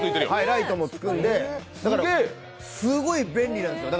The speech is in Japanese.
ライトもつくんで、すごい便利なんですよ。